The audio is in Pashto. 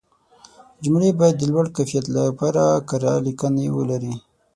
جملې باید د لوړ کیفیت لپاره کره لیکنې ولري.